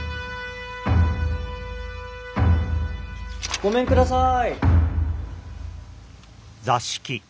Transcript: ・ごめんください。